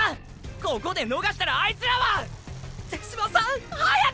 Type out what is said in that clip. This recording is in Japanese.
ここでのがしたらあいつらは！！手嶋さん早く！！